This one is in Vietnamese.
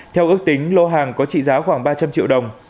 theo ước tính lô hàng có trị giá khoảng ba trăm linh triệu đồng